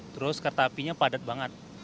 terus kereta apinya padat banget